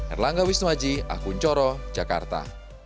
erlangga wisnuaji akun coro jakarta